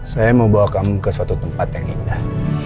saya mau bawa kamu ke suatu tempat yang indah